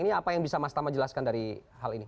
ini apa yang bisa mas tama jelaskan dari hal ini